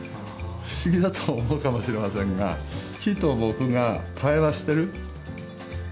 不思議だと思うかもしれませんが木と僕が対話してる。